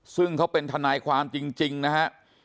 ซึ่งเขาเป็นทนายความจริงนะฮะ